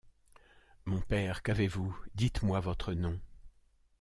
Mon père, qu’avez-vous? dites-moi votre nom.